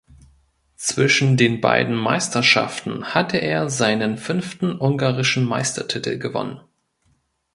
Zwischen den beiden Meisterschaften hatte er seinen fünften ungarischen Meistertitel gewonnen.